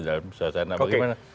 dalam suasana bagaimana